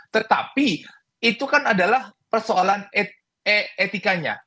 tetapi itu kan adalah persoalan etikanya